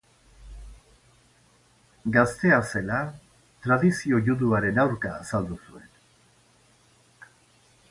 Gaztea zela tradizio juduaren aurka azaldu zuen.